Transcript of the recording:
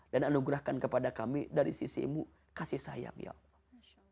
dan anugerahkan kepada kami dari sisi mu kasih sayang ya allah